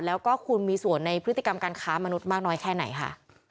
แล้วก็คุณมีส่วนในพฤติกรรมการค้ามนุษย์มากน้อยแค่ไหนค่ะ